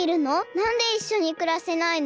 なんでいっしょにくらせないの？